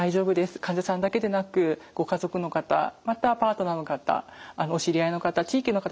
患者さんだけでなくご家族の方またパートナーの方お知り合いの方地域の方